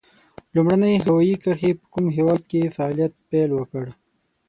لومړنۍ هوایي کرښې په کوم هېواد کې په فعالیت پیل وکړ؟